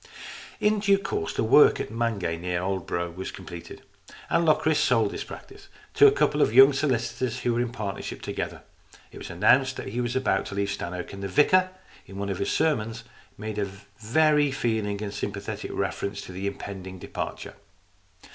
In due course the work at Mangay near Aldeburgh was completed, and Locris sold his practice to a couple of young solicitors who were in partnership together. It was announced that he was about to leave Stannoke, and the vicar, in one of his sermons, made a very feeling and sympathetic reference to the impending departure.